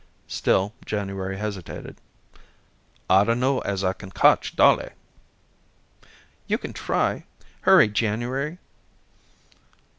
Still January hesitated. "I dunno as I kin kotch Dollie." "You can try. Hurry, January."